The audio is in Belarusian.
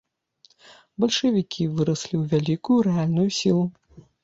Бальшавікі выраслі ў вялікую рэальную сілу.